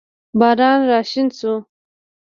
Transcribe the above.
باران راشین شو